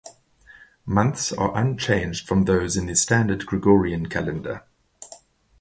Months are unchanged from those in the standard Gregorian calendar.